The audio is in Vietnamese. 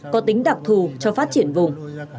có tính đặc thù cho phát triển vùng